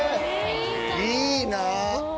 いいな。